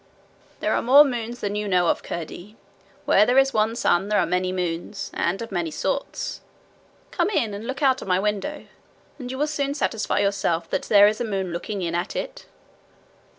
'There are more moons than you know of, Curdie. Where there is one sun there are many moons and of many sorts. Come in and look out of my window, and you will soon satisfy yourself that there is a moon looking in at it.'